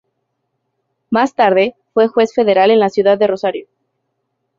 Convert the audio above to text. Más tarde fue juez federal en la ciudad de Rosario.